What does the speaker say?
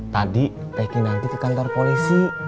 tadi tki nanti ke kantor polisi